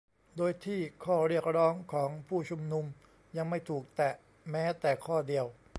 โดยที่ข้อเรียกร้องของผู้ชุมนุมยังไม่ถูกแตะแม้แต่ข้อเดียว